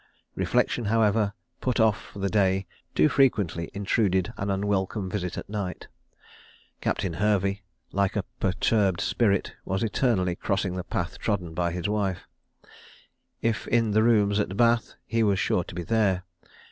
Reflection, however, put off for the day, too frequently intruded an unwelcome visit at night. Captain Hervey, like a perturbed spirit, was eternally crossing the path trodden by his wife. If in the rooms at Bath, he was sure to be there.